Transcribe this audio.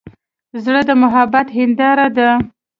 زړه د محبت هنداره ده.